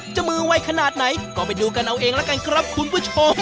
มือไวขนาดไหนก็ไปดูกันเอาเองแล้วกันครับคุณผู้ชม